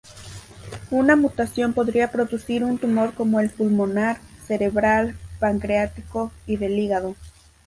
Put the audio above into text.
Una mutación podría producir un tumor como el pulmonar, cerebral, pancreático y del hígado.